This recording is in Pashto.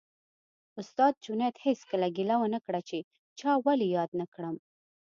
استاد جنید هېڅکله ګیله ونه کړه چې چا ولې یاد نه کړم